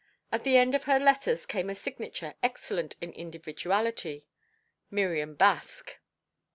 At the end of her letters came a signature excellent in individuality: "Miriam Baske."